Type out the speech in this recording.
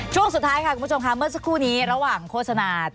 ช่วงสุดท้ายค่ะคุณผู้ชมค่ะเมื่อสักครู่นี้ระหว่างโฆษณา